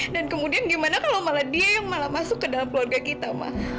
dan kemudian gimana kalau malah dia yang malah masuk ke dalam keluarga kita ma